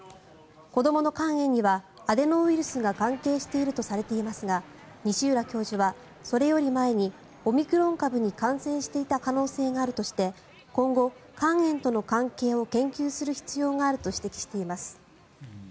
子どもの肝炎にはアデノウイルスが関係しているとされていますが西浦教授はそれより前にオミクロン株に感染していた可能性があるとして今後、肝炎との関係を研究する必要があると指摘しています。